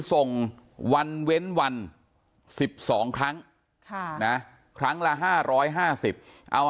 ส่งวันเว้นวัน๑๒ครั้งครั้งละ๕๕๐เอา